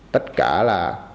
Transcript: tất cả là